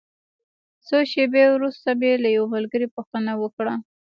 څو شېبې وروسته مې له یوه ملګري پوښتنه وکړه.